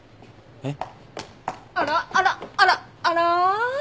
えっ？